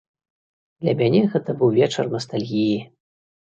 Для мяне гэта быў вечар настальгіі.